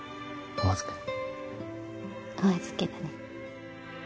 お預けだね。